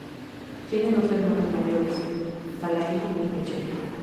Tiene dos hermanos mayores Alain y Michel.